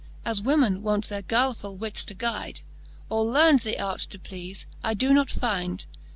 As women wont their guilefuU wits to guyde ; Or learn'd the art to pleafe, I doe not fynd.